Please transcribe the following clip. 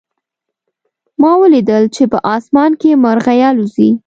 ما ولیدل چې په آسمان کې مرغۍ الوزي